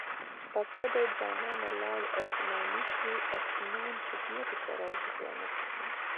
ټپه ده: جانانه لاړې اسماني شوې اسمان چې ځمکې ته راځۍ قیامت به وینه